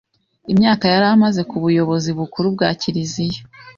imyaka yari amaze ku buyobozi bukuru bwa Kiliziya,